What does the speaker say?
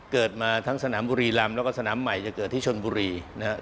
เกิดมาทั้งสนามบุรีลำแล้วก็สนามใหม่จะเกิดที่ชนบุรีนะครับ